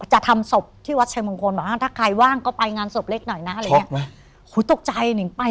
จะทำศพที่วัสชัยมงคลมหาถ้าใครว่างก็ไปงานศพเล็กหน่อยนะเรามา